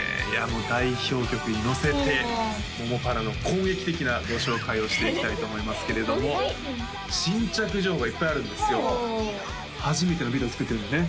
もう代表曲にのせて桃パラの攻撃的なご紹介をしていきたいと思いますけれども新着情報がいっぱいあるんですよお初めてのビデオ作ってるんだよね？